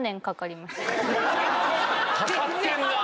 かかってんなぁ！